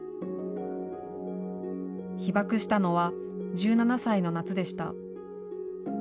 被爆したのは、１７歳の夏でした。